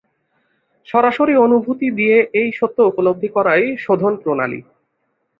সরাসরি অনুভূতি দিয়ে এই সত্য-উপলব্ধি করাই শোধন-প্রণালী।